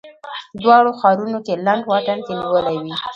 دواړو ښارونو کې لنډ واټن کې نیولې وې.